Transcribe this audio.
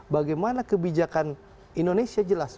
bagaimana kebijakan indonesia jelas